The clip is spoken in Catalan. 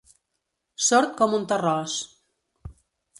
Sord com un terròs.